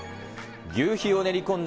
求肥を練り込んだ